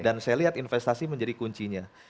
dan saya lihat investasi menjadi kuncinya